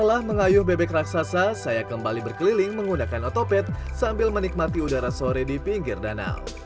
setelah mengayuh bebek raksasa saya kembali berkeliling menggunakan otopet sambil menikmati udara sore di pinggir danau